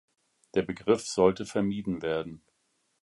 Der Begriff sollte vermieden werden.